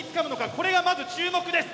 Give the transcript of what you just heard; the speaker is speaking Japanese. これがまず注目です。